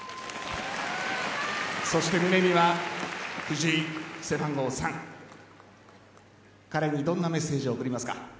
そして胸には藤井、背番号３彼にどんなメッセージを送りますか。